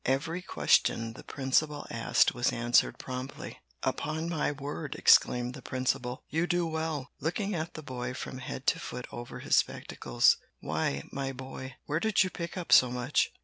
Every question the principal asked was answered promptly. "Upon my word," exclaimed the principal, "you do well!" looking at the boy from head to foot over his spectacles. "Why, my boy, where did you pick up so much?"